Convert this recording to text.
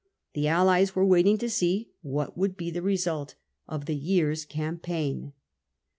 The allies were waiting to see what would be the result of the year's campaign.